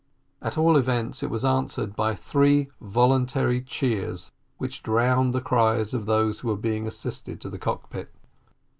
At all events it was answered by three voluntary cheers, which drowned the cries of those who were being assisted to the cockpit.